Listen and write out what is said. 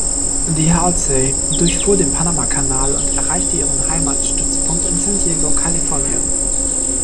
Die "Halsey" durchfuhr den Panamakanal und erreichte ihren Heimatstützpunkt in San Diego, Kalifornien.